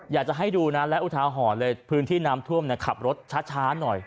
อยากจะให้ดูนะและอุทาหรณ์เลยพื้นที่น้ำท่วมขับรถช้าหน่อย